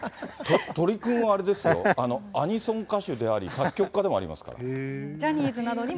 鳥くんはあれですよ、アニソン歌手であり、作曲家でもありますかジャニーズなどにも。